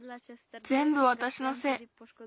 ぜんぶわたしのせい。